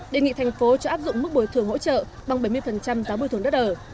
đề nghị thành phố cho áp dụng mức bồi thường hỗ trợ bằng bảy mươi giá bồi thường đất ở